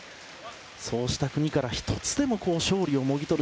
そうした国から１つでも勝利をもぎ取る。